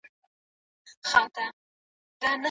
د لګښتونو بې باکانه کنټرول ستا سرمایه له منځه وړي.